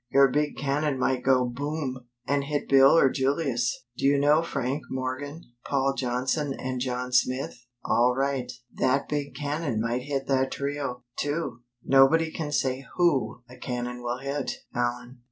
Your big cannon might go Boom! and hit Bill or Julius. Do you know Frank Morgan, Paul Johnson and John Smith? All right; that big cannon might hit that trio, too. Nobody can say who a cannon will hit, Allan.